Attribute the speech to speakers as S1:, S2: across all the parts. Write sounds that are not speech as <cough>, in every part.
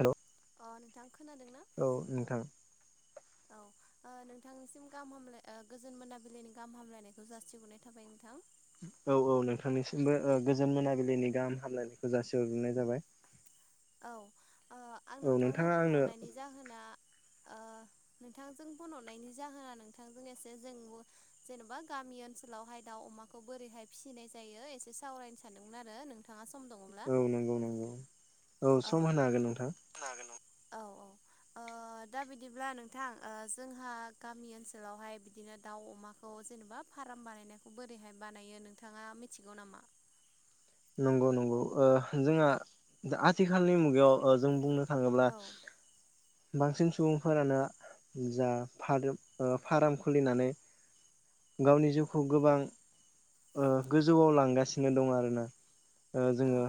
S1: हेल'
S2: अ नोंथां खोनादोंना
S1: औ नोंथां
S2: औ ओ ओ नोंथांनिसिम गाहाम हामलाय ओ गोजोन मोनाबिलिनि गाहाम हामलायनायखौ जासिहरनाय थाबाय नोंथां
S1: औ औ नोंथांनिसिमबो ओ गोजोन मोनाबिलिनि गाहाम हामलायनायखौ जासिहरग्रोननाय जाबाय
S2: औ ओ आं
S1: औ
S2: नोंथांनो
S1: नोंथाङा
S2: फन
S1: आंनो
S2: हरनायनि जाहोना ओ नोंथांजों फन हरनायनि जाहोना नोंथांजों एसे जों जेन'बा गामि ओनसोलावहाय दाउ अमाखौ बोरैहाय फिसिनाय जायो एसे सावरायनो सानदोंमोन आरो नोंथाङा सम दङब्ला
S1: औ नंगौ नंगौ औ सम होनो हागोन नोंथां
S2: होनो हागोन नामा? औ औ ओ दा बिदिब्ला नोंथां ओ जोंहा गामि ओनसोलावहाय बिदिनो दाउ अमाखौ जेनेबा फा- फ्राम बानायनायखौ बोरैहाय बानायो नोंथाङा मिथिगौ नामा
S1: नंगौ नंगौ ओ जोंहा आथिखालनि मुगायाव ओ जों बुंनो थाङोब्ला
S2: औ
S1: बांसिन सुबुंफोरानो जा फारो ओ फाराम खुलिनानै गावनि जिउखौ गोबां ओ गोजौआव लांगासिनो दं आरोना ओ
S2: औ
S1: जोङो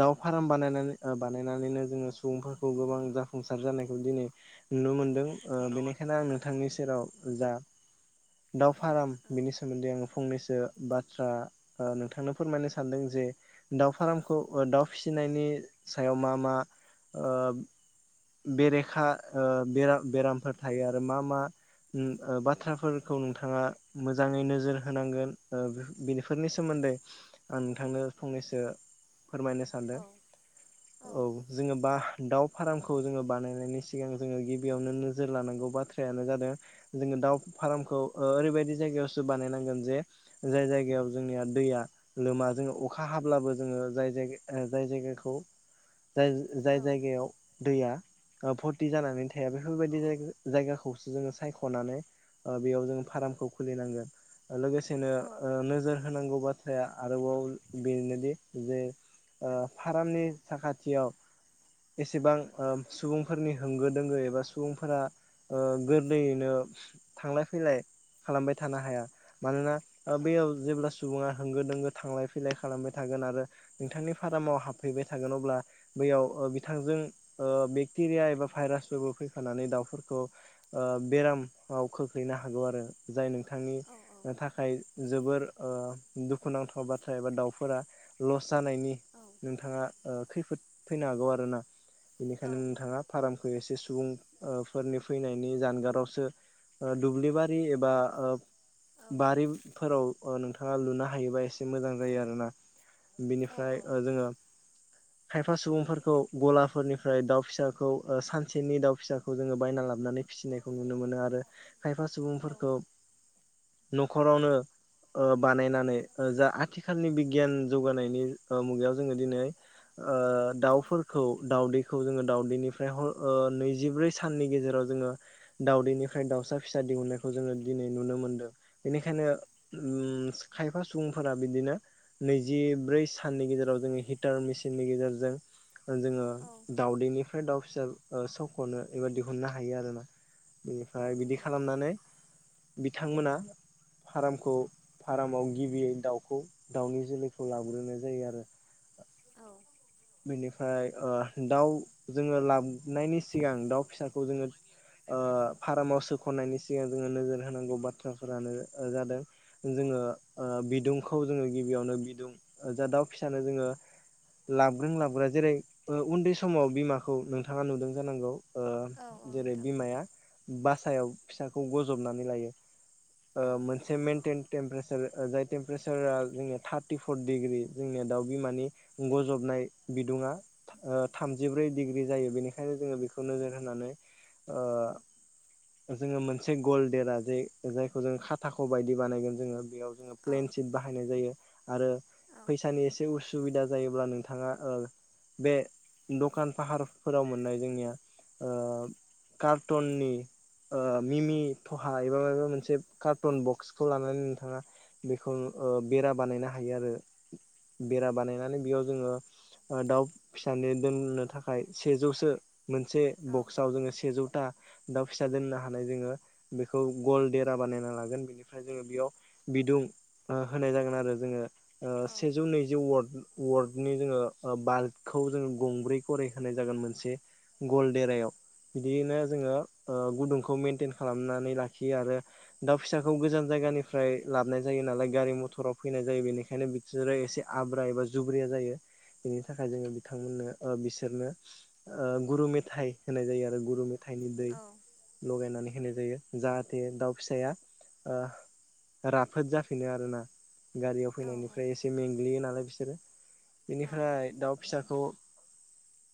S1: दाउ फाराम बानायनानै ओ बानायनानैनो जोङो सुबुंफोरखौ गोबां जाफुंसार जानायखौ दिनै नुनो
S2: औ
S1: मोनदों ओ
S2: नुनो मोन
S1: बेनिखायनो आं नोंथांनि सेराव जा दाव फाराम
S2: औ
S1: बिनि सोमोन्दै आङो फंनैसो बाथ्रा ओ नोंथांनो फोरमायनो सानदों जे दाउ फाराम खौ ओ दाउ फिसिनायनि सायाव मा मा ओ बेरेखा ओ बेराम बेरामफोर थायो आरो मा मा उम ओ बाथ्राफोरखौ नोंथाङा मोजाङै नोजोर होनांगोन ओ बेफोरनि सोमोन्दै दै आं नोंथांनो फंनैसो फोरमायनो
S2: औ
S1: सानदों औ जोङो बा दाउ फाराम खौ जोङो बानायनायनि सि- सिगां जोङो गिबियावनो नोजोर लानांगौ बाथ्रायानो जादों जोङो दाउ फारामखौ ओ ओरैबायदि जायगा जायगायावसो बानायनांगोन जे जाय जायगायाव जोंनिया दैया लोमा जोङो अखा हाब्लाबो जोङो जाय जायगा ओ जाय जायगाखौ जाय
S2: औ
S1: जाय जायगायाव दैया ओ भरति जानानै थाया बेफोरबायदि जायगाखौसो जोङो सायख'नानै ओ बेयाव जों फारामखौ खुलिनांगोन ओ लोगोसेनो
S2: औ औ
S1: ओ नोजोर होनांगौ बाथ्राया आरोबाव बेनोदि जे ओ फारामनि साखाथियाव एसेबां ओ सुबुंफोरनि होंगो दोंगो एबा सुबुंफोरा ओ गोरलैयैनो थांलाय फैलाय खालामबाय थानो हाया मानोना
S2: औ
S1: बेयाव जेब्ला सुबुङा होंगो दोंगो थांलाय फैलाय खालामबाय थागोन आरो नोंथांनि फार्माव हाबफैबाय थागोन अब्ला बैयाव बिथांजों बेक्टेरिया एबा भाइरासफोरबो फैफानानै दाउफोरखौ बेराम खोख्लैनो हागौ आरो जाय नोंथांनि
S2: नंगौ
S1: थाखाय जोबोर दुखुनांथाव बाथ्रा एबा दाउफोरा लस जानायनि
S2: औ
S1: नोंथाङा खैफोद फैनो हागौ आरो ना बेनिखायनो नोंथाङा
S2: औ औ
S1: फार्मखौ एसे सुबुं फोरनि फैनायनि जानगारावसो दुब्लिबारि एबा बारिफोराव नोंथाङा लुनो हायोबा एसे मोजां जायो आरोना बिनिफ्राय जोङो खायफा सुबुंफोरखौ गलाफोरनिफ्राय दाउ फिसाखौ सानसेनि दाउ फिसाखौ जोङो बायना लाबोनानै फिसिनायखौ नुनो मोनो आरो खायफा सुबुंफोरखौ
S2: औ
S1: न'खरावनो बानायनानै जा आथिखालनि बिगियान जौगानायनि मुगायाव जोङो दिनै दाउफोर दाउदैखौ जोङो दाउदैनिफ्राय हर नैजिब्रै साननि गेजेराव जोङो दाउदैनिफ्राय दाउ दाउसा फिसा दिहुननायखौ जोङो दिनै नुनो मोनदों बेनिखायनो खायफा सुबुंफोरा बिदिनो नैजिब्रै साननि गेजेराव जोङो हिटार मेसिननि गेजेरजों जोङो दाउदैनिफ्राय दाउ फिसा सौख'नो एबा दिहुननो हायो आरोना
S2: औ
S1: बिनिफ्राय बिदि
S2: नंगौ नोंथां
S1: खालामनानै बिथांमोना फार्मखौ फारामाव गिबियै दाउखौ दाउनि जोलैखौ लाग्रोनाय जायो आरो
S2: औ
S1: बेनिफ्राय दाउ जोङो लाबनायनि सिगां दाउ फिसाखौ जोङो फार्माव सोख'नायनि सिगां जोङो नोजोर होनांगौ बाथ्राफोरानो जादों जों बिदुंखौ जोंङो गिबियावनो बिदुं दाउ फिसाखो जोंङो लाब लाबदों जेरै उन्दै समाव बिमाखौ नोंथाङा नुदों जानांगौ
S2: औ औ
S1: जेरै
S2: नोंथां
S1: बिमाया बासायाव फिसाखौ बजबनानै लायो
S2: औ
S1: मोनसे मेनटेन टेमपारेसार जाय टेमपारेसारा जोंनि थार्टिफर डिग्रि जोंनिया दाउ बिमानि गजबनाय बिदुुंङा थामजिब्रै डिग्रि जायो बेनिखायनो जोङो बेखौ नोजोर होनानै ओ जोङो मोनसे गलदेरा जे जायखौ जो खाथाख' बायदि बानायगोन जोङो बेयाव जोङो
S2: औ
S1: प्लेन सिट बाहायनाय जायो आरो फैसानि एसे उसुबिदा जायोब्ला नोंथाङा बे दखान फाहारफोराव मोननाय जोंनिया कार्टुननि मिमि थहा एबा माबा मोनसे कार्टन बक्सखौ लानानै नोंथाङा बेखौ बेरा बानायनो हायो आरो बेरा बानायनानै बेयाव जोङो दाउ फिसानि दोननो थाखाय सेजौसो मोनसे
S2: औ
S1: बक्सआव जोङो सेजौथा दाउ फिसा दोननो हानाय जोङो बेखौ गल देरा बानायना लागोन बेनिफ्राय जोङो बेयाव बिदुं होनाय जागोन आरो जोङो सेजौ नैजि वार्ड वार्डनि जोङो बालबखौ जोङो गंब्रै खरै होनाय जागोन मोनसे गलदेरायाव बिदिैनो जोङो गुदुंखौ मेनटेन खालामनानै लाखियो आरो दाउ फिसाखौ गोजान जायग जायगानिफ्राय लाबोनाय जायो नालाय गारि मथराव फैनाय जायो बेनिखायनो बिसोरो एसे आब्रा एबा जुब्रिया जायो बेनि थाखाय जोङो बिथांमोननो बिसोरनो गुरु मेथाइ होनाय जायो आरो गुरु मेथाइ हिाथाइनि दै लगायनानै होनाय जायो जाहाथे दाउ फिसाया राफोद जाफिनो आरोोना गारियाव फैनायनिफ्राय एसे मेंग्लियो नालाय बिसोरो बेनिफ्राय दाउ फिसाखौ
S2: <unintelligible>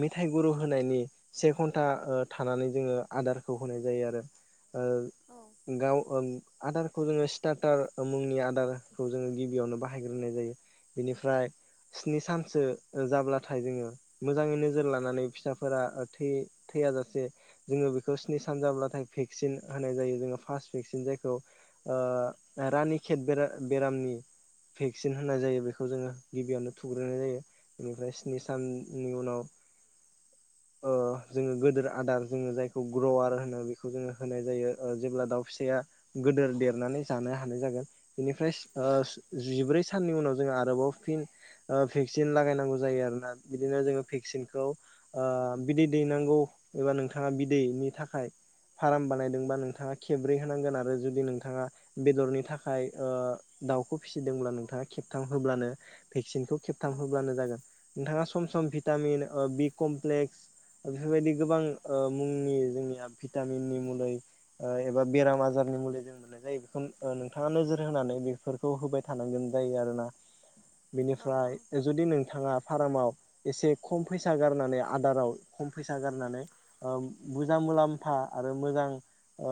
S1: मेथायाइ गुरु होनायनि से घन्टा थानानै जोङो आदारखौ होनाय जायो जायो आरो आदारखौ जोङो स्टार्टार मुंनि आदारखौ जोङो गिबियावनो बाहायग्रोनाय जायो बिनिफ्राय स्नि सानसो जाब्लाथाय जोङो मोजाङै नोजोर लानानै फिसाफोरा थै जासे जोङो बेखौ स्नि सान जाब्लाथाय भेक्सिन होनाय जायो जोङो फार्स्ट भेक्सिन जायखौ ओ रानि खेत बेरामनि भेक्सिन होननाय जायो बेखौ खौ जोङो गिबियावनो थुग्रोनाय जायो बेनिफ्राय स्नि साननि उनाव
S2: <inaudible>
S1: ओ जोङो गोदोर आदार जोङो जायखौ ग्रवार होनो बेखौ जोङो होनाय जायो जेब्ला दाउ फिसाया गोदोर देरनानै जानो हानाय जागोन
S2: औ
S1: बेनिफ्राय जिब्रै साननि उनाव आरोबाव फिन भेकसिन लागायनांगौ जायो आरोना बिदिनो जोङो भेकसिनखौ ओ ओ बिदै दैेनांगौ एबा नोंथाङा बिदैनि थाखाय ओ फार्म बानायदोंबा नोंथाङा खेबब्रै होनांगोन आरो जुदि नोंथाङा बेदरनि थाखाय ओ दाउखौ फिसिदोंब्ला नोंथाङा खेबथाम होब्लानो भेक्सिनखौ
S2: औ
S1: खेबथाम होब्लानो जागोन। नोंथाङा सम सम भिटामिन ओ बि कमप्लेक्स बेफोरबायदि गोबां मुंनि जोंनिया भिटामिननि मुलै एबा बेराम आजार नि मुलि जों मोननाय जायो बेखौ नोंथाङा नोजोर होनानै बेफोरखौ होबाय थानांगोन जायो आरोना
S2: औ
S1: बिनिफ्राय जुदि नों थाङा फार्माव एसे खम फैसा गारनानै आदाराव खम फैसा गारनानै ओ बुरजा मुलाम्फा आरो मोजां ओ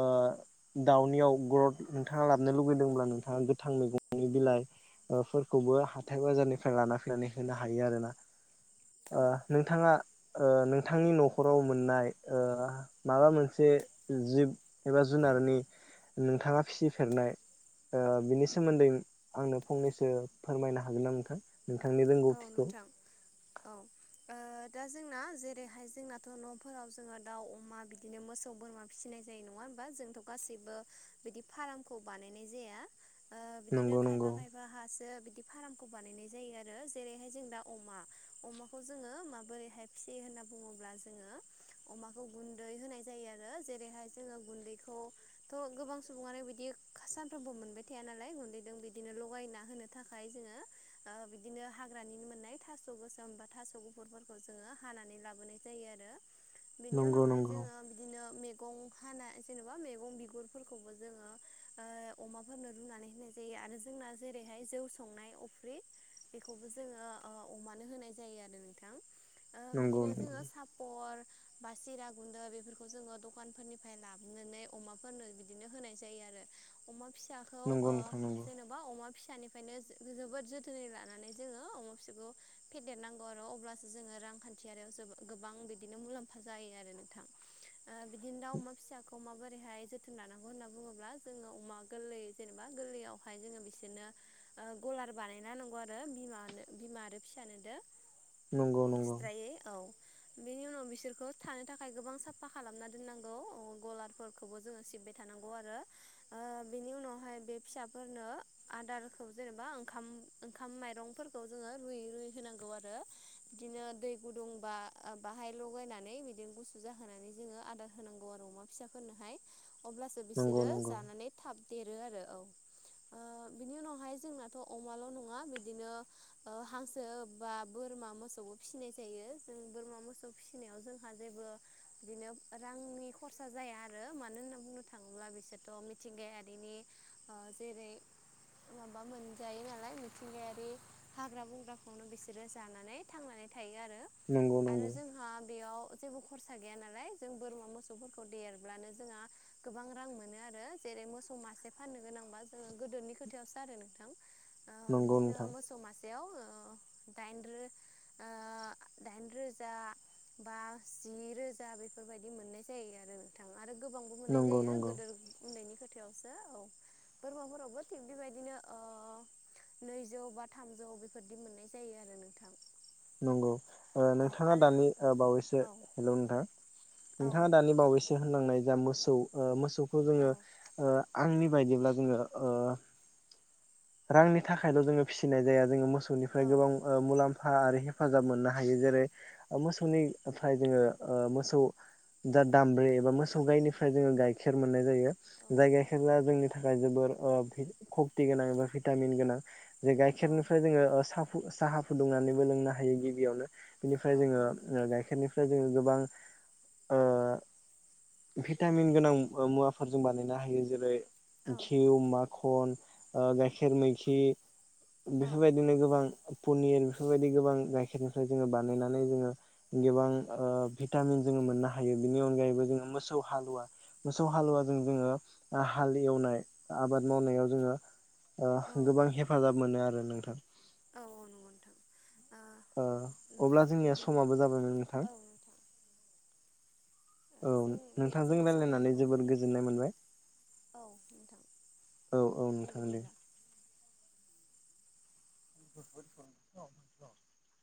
S1: दाउनियाव ग्रथ नोंथाङा लाबनो लुुबैदोंब्ला नोंथाङा गोथां मैगं बिलाइफोरखौबो हाथाय बाजारनिफ्राय लाना फैनानै होनो हायो आरोना
S2: औ
S1: ओ नोंथाङा ओ नोंथांनि न'खराव मोननाय ओ माबा मोनसे जिब एबा जुनार फोरनि नोंथाङा फिसिफेरनाय ओ बिनि सोमोन्दै आंनो फंनैसो फोरमायनो हागोन ना नोंथां नोंथांनि
S2: औ
S1: रोंगौथिखौ
S2: नोंथां औ ओ दा जोंना जेरैहाय जोंनाथ' न'फोराव जोङो दाउ अमा बिदिनो मोसौ बोरमा फिसिनाय जायो नङा होम जोंथ' गासिबो बिदि फार्मखौ बानायनाय जाया। ओ बिदिनो
S1: नंगौ
S2: खायफा
S1: नंगौ
S2: खायफा हासो बिदि फार्मखौ बानायनाय जायो आरो आरो जेरैहाय जों दा अमा अमाखौ जोङो माबोरैहाय फिसियो होनना बुङोब्ला जोङो अमाखौ गुन्दै होनाय जायो आरो जेरैहाय जोङो गुन्दैखौ थ' गोबां सुबुङानो बिदि सानफ्रोमबो मोनबाय थाया नालाय गुन्दैजों बिदिनो लगायना होनो थाखाय जोङो ओ बिदिनो हाग्रानि मोननाय थास' गोसोम बा थास' गुफुरफोरखौ जोङो हानानै लाबोनाय जायो आरो बेनि
S1: नंगौ
S2: उनावहाय
S1: नंगौ
S2: जोङो बिदिनो मे गं हानाय जेन'बा मैगं बिगुरफोरखौबो जोङो अमाफोरनो रुनानै होनाय जायो आरो जोंना जेरैहाय जौ संनाय अफ्रि बेखौबो जोङो अमानो होनाय जायो आरो नोंथां ओ
S1: नंगौ
S2: बिदिनो जोङो सापर बा सिरा गुन्द्रा बेफोरखौ जोङो दखानफोरनिफ्राय लाबोनानै अमाफोरनो बिदिनो होनाय जायो आ रो अमा फिसाखौ
S1: नंगौ नोंथां
S2: जेन'बा अमा फिसानिफ्रायनो जोबोद जोथोनै ला नानै जोङो फिसाखौ फेदेरनांगौ आरो अब्लासो जोङो रांखान्थियारियाव जो गोबां बिदिनो मुलाम्फा जायो आरो नोंथां बिदिनो दा अमा फिसाखौ माबोरैहाय जोथोन लानांगौ होनना बुङोब्ला जोङो अमा गोरलै जेनेबा गोरलैयावहाय जोङो बिसोरनो गलार बानायना नांगौ आ रो बिमानो बिमा आरो फिसानोदो
S1: नंगौ नंगौ
S2: एक्सट्रायै औ बेनि उनाव बिसोरखौ थानो थाखाय गोबां साफा खालामना दोननांगौ ओ गलारफोरखौबो जोङो सि बाय थानांगौ आरो ओ बेनि उनावहाय बे फिसाफोरनो आदारखौ जेनबा ओंखा म। ओंखाम माइरं फोरखौ जोङो रुयै रुयै होनांगौ आरो बिदिनो दै गुदुंबा बाहाय लगायनानै बिदिनो गुसु जाहोनानै जोङो आदार होनांगौ आरो अमा फिसाफोरनोहाय अब्लासो
S1: नंगौ नंगौ
S2: बिसोरो जानानै थाब देरो आरो औ ओ बिनि उनावहाय जोंनाथ' अमाल' नङा बिदिनो हांसो बा बोरमा मोसौखौ फिसिनाय जायो जों बोरमा मोसौ फिसिनायाव जोंहा जेबो बिदिनो रांनि खरसा जाया आरो मानो होनना बुंनो थाङोब्ला। बिसोरथ' मिथिंगायारिनि जेरै माबा मोनजायो नालाय। मिथिंगायारि हाग्रा बंग्राखौनो बिसोरो जानानै थांनानै थायो। थायो आरो
S1: नंगौ
S2: आरो जोंहा बेयाव जेबो खरसा गैया नालाय जों बोरमा मोसौफोरखौ देरब्लानो जोंहा गोबां रां मोनो आरो। जेरै मोसौ मासे फाननो गोनांबा जोङो गोदोनि खोथायावसो आरो नोंथां।
S1: नंगौ नोंथां।
S2: बेयाव दाइन रोजा बा जि रोजा बेफोरबायदि मोननाय जायो आरो नोंथा। आरो गोबांबो मोननाय
S1: नंगौ
S2: जायो
S1: नंगौ
S2: गोदोर उन्दैनि खोथा। थायावसो औ बोरमाफोरावबो थिग बेबायदिनो नैजौ बा थामजौ बेफोरदि मोननाय जायो आरो नोंथां।
S1: नंगौ
S2: औ
S1: नोंथाङा
S2: आरो
S1: दानि बावैसो
S2: औ
S1: हेलौ नोंथां
S2: औ
S1: नोंथाङा दानि बावैसो होनलांनाय जा मोसौ मोसौखौ
S2: औ
S1: जोङो आंनि बायदिब्ला जोङो रांनि थाखायल' जोङो फिसिनाय जाया जोङो
S2: औ
S1: मोसौनिफ्राय गोबां मुलाम्फा आरो हेफाजाब मोननो हायो। जेरै मोसौनिफ्राय जोङो मोसौ दा दामब्रि एबा मोसौ गायनिफ्राय जोङो गाइखेर मोननाय जायो। जाय गाइखेरा जोंनि थाखाय जोबोद हखथि गोनां भिटामिन गोनां जे गाखेरनि फ्राय
S2: औ
S1: जोंङो सा साहा फुदुंनानैबो लोंनो हायो गिबियावनो बिनिफ्राय
S2: औ नंगौ
S1: जोङो गाइखेरनिफ्राय जोङो गोबां ओ
S2: <unintelligible>
S1: भिटामिन गोनां मुवाफोरजों बानायनो हायो। जेरै
S2: औ
S1: घिउ माखन गाखेर मोखि
S2: औ
S1: बेफोरबायदिनो गोबां पनिर बेफोरबायदि गोबां गायखेर गाइखेरनिफ्राय जोङो बानायनानै जोङो गोबां भिटामिन जोङो मोननो हायो बिनि अनगायैबो जोङो मोसौ हालुवा मोसौ हालुवाजों जोङो हाल एवनाय आबाद मावनायाव जोङो गोबां हेफाजाब मोनो आरो नोंथां।
S2: औ औ नंगौ नोंथां। ओ
S1: अब्ला जोंनिया
S2: बिदिबो
S1: समाबो जाबायमोन नोंथां। औ
S2: जों बे
S1: नोंथांजों
S2: जोंनि
S1: रायज्लायनानै
S2: सावरायनायखौ
S1: जोबोर
S2: बेखिनि
S1: गोजोननाय मोनबाय
S2: औ नोंथां
S1: औ औ
S2: दे
S1: नोंथां
S2: बिदिब्ला
S1: <unintelligible>